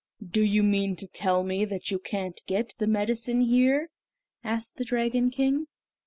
"Do you mean to tell me that you can't get the medicine here?" asked the Dragon King.